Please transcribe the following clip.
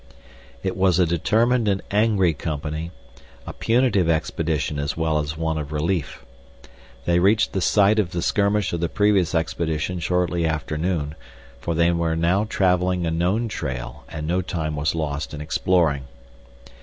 It was a determined and angry company—a punitive expedition as well as one of relief. They reached the site of the skirmish of the previous expedition shortly after noon, for they were now traveling a known trail and no time was lost in exploring.